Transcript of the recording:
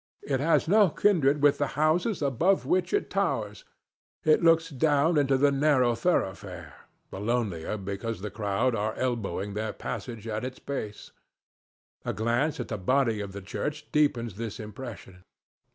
It has no kindred with the houses above which it towers; it looks down into the narrow thoroughfare—the lonelier because the crowd are elbowing their passage at its base. A glance at the body of the church deepens this impression.